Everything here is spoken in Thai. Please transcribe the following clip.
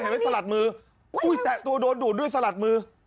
เห็นไหมสลัดมืออุ้ยแตะตัวโดนดูดด้วยสลัดมือ